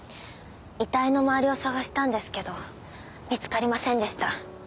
遺体の周りを捜したんですけど見つかりませんでした。